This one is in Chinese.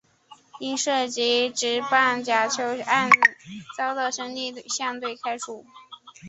因涉及职棒假球案遭到兄弟象队开除。